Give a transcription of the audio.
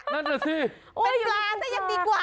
เป็นปลาได้ยังดีกว่า